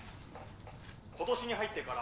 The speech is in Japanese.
今年に入ってから。